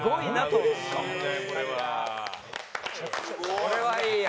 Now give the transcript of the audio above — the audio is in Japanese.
これはいいや。